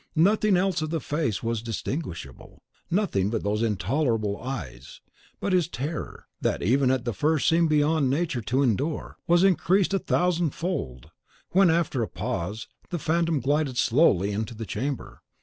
Nothing else of the face was distinguishable, nothing but those intolerable eyes; but his terror, that even at the first seemed beyond nature to endure, was increased a thousand fold, when, after a pause, the phantom glided slowly into the chamber.